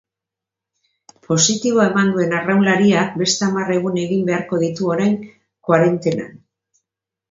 Positiboa eman duen arraunlariak beste hamar egun egin beharko ditu orain koarentenan.